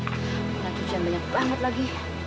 karena cucian banyak banget lagi